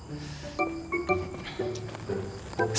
selamat malam pak regar